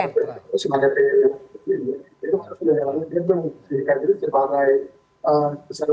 itu harus dijalankan dengan kebijakan itu sebagai pesawat satu satu